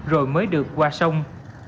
rồi mới được qua sông